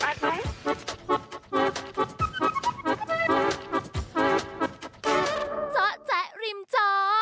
เจาะแจ๊ะริมจอ